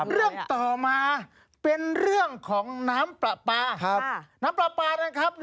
เรื่องต่อมาเป็นเรื่องของน้ำปลาปลาน้ำปลาปลานะครับ